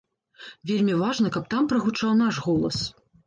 Вельмі важна, каб там прагучаў наш голас.